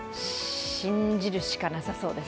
信じるしかなさそうです。